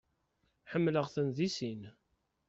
Ḥemmleɣ-ten di sin.